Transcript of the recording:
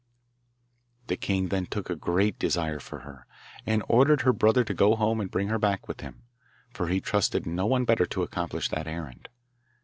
The king then took a great desire for her, and ordered her brother to go home and bring her back with him, for he trusted no one better to accomplish that errand.